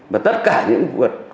và tất cả những vượt